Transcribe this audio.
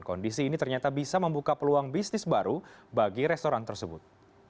kondisi ini ternyata bisa membuka peluang bisnis baru bagi restoran tersebut